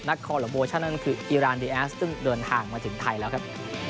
นักคอลลอบโวชั่นนั่นคืออิรานดิแอซที่เดินทางมาถึงไทยแล้วครับ